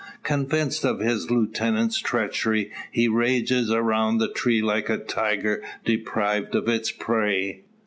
Convinced of his lieutenant's treachery, he rages around the tree like a tiger deprived of its prey.